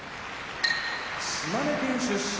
島根県出身